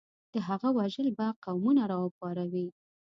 د هغه وژل به قومونه راوپاروي.